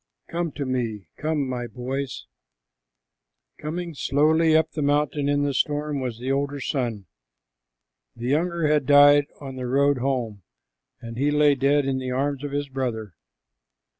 Come to me, come, my boys." Coming slowly up the mountain in the storm was the older son. The younger had died on the road home, and he lay dead in the arms of his brother.